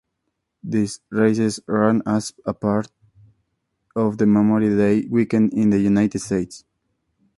These races ran as part of the Memorial Day weekend in the United States.